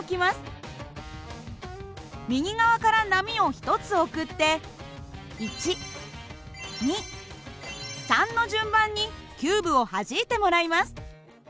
右側から波を１つ送って１２３の順番にキューブをはじいてもらいます。